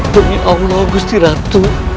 demi allah gusti ratu